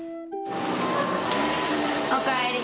おかえり。